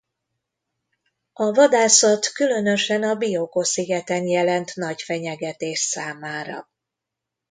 A vadászat különösen a Bioko-szigeten jelent nagy fenyegetést számára.